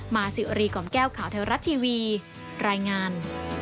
มาสิรีก่อมแก้วข่าวเทวรัตน์ทีวีรายงาน